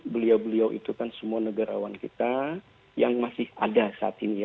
beliau beliau itu kan semua negarawan kita yang masih ada saat ini ya